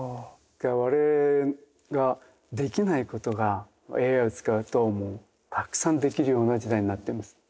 我々ができないことがＡＩを使うともうたくさんできるような時代になってます。